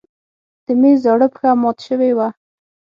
د مېز زاړه پښه مات شوې وه.